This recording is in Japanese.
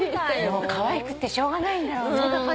もうかわいくってしょうがないんだろうね。